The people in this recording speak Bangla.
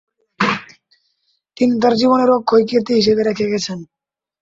তিনি তার জীবনের অক্ষয় কীর্তি হিসেবে রেখে গেছেন।